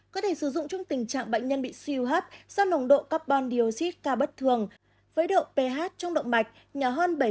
có thể sử dụng trong tình trạng bệnh nhân bị siêu hấp do nồng độ carbon dioxid cao bất thường với độ ph trong động mạch nhỏ hơn bảy mươi